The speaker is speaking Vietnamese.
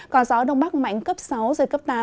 có gió đông bắc mạnh cấp sáu giật cấp tám